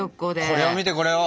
これを見てこれを。